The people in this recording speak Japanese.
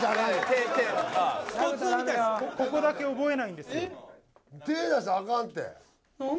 手手ここだけ覚えないんですよえっ？